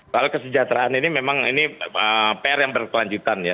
soal kesejahteraan ini memang ini pr yang berkelanjutan ya